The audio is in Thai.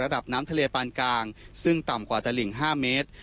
ระดับน้ำทะเลปานกลางซึ่งต่ำกว่าตลิ่ง๕เมตร